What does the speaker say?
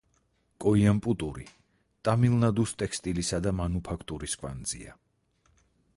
კოიამპუტური ტამილნადუს ტექსტილისა და მანუფაქტურის კვანძია.